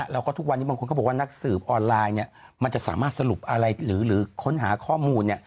แล้วก็ตอนนี้มันบอกว่านักสืบออนไลน์มันจะสามารถสรุปอะไรหรือค้นหาข้อมูลเนี่ย